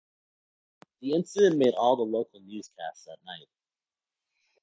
The incident made all the local newscasts that night.